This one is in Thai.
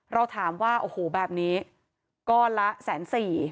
เราถามว่าโอ้โหแบบนี้ก้อนละ๑๐๔๐๐๐บาท